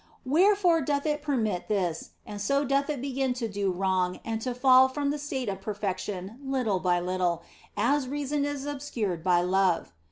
Wherefore doth it permit this, and so doth it begin to do wrong and to fall from the state of perfection little by little, as reason is obscured by love.